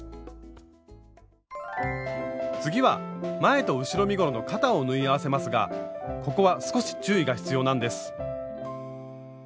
次は前と後ろ身ごろの肩を縫い合わせますがここは少し注意が必要なんです。